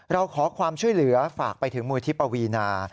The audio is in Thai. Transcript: เราขอความช่วยเหลือฝากไปถึงมูลที่ปวีนา